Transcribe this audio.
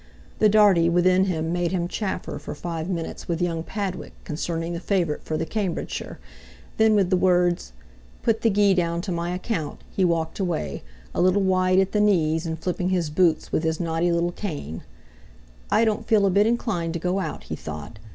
The Dartie within him made him chaffer for five minutes with young Padwick concerning the favourite for the Cambridgeshire; then with the words, "Put the gee down to my account," he walked away, a little wide at the knees, and flipping his boots with his knotty little cane. "I don't feel a bit inclined to go out," he thought.